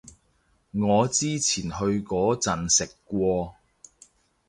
我之前去嗰陣食過